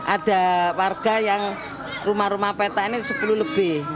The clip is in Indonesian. ada warga yang rumah rumah peta ini sepuluh lebih